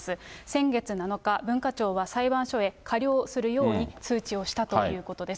先月７日、文化庁は裁判所へ過料するように通知をしたということです。